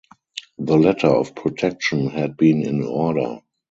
The letter of protection had been in order.